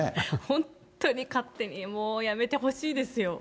本当に勝手にもうやめてほしいですよ。